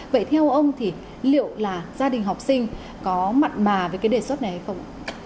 vậy theo ông thì liệu là gia đình học sinh có mặn mà với cái đề xuất này hay không